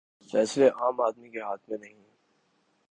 فیصلے عام آدمی کے ہاتھ میں نہیں۔